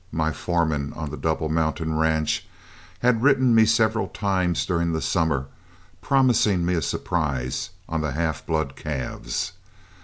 My foreman on the Double Mountain ranch had written me several times during the summer, promising me a surprise on the half blood calves.